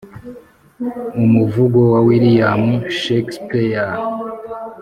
umuvugo wa william shakespeare